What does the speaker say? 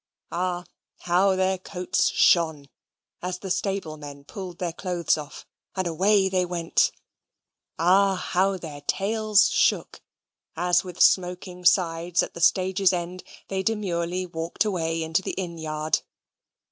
Ah, how their coats shone, as the stable men pulled their clothes off, and away they went ah, how their tails shook, as with smoking sides at the stage's end they demurely walked away into the inn yard.